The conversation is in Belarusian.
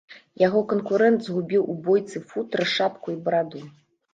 Яго канкурэнт згубіў у бойцы футра, шапку і бараду.